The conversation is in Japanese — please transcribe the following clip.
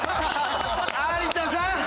有田さん！